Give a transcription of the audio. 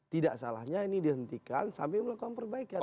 tidak salahnya ini dihentikan sampai melakukan perbaikan